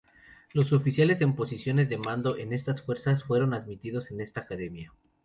Los oficiales en posiciones de mando en estas fuerzas fueron admitidos en esta academia.